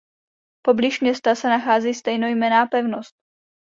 Poblíž města se nachází stejnojmenná pevnost.